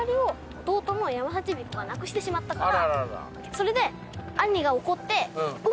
それで。